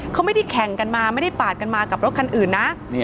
เขาไม่ได้แข่งกันมาไม่ได้ปาดกันมากับรถคันอื่นนะ